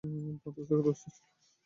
প্রস্তুত থাকাটা তো উচিত ছিল।